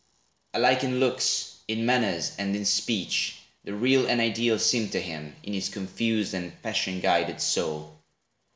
Alike in looks, in manners, and in speech, The real and ideal seem to him, In his confused and passion guided soul.